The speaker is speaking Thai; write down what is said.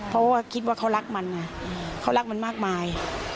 เพราะว่าคิดว่าเขารักมันไงเขารักมันมากมาย